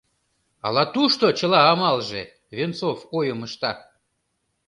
Ала тушто чыла амалже, — Венцов ойым ышта.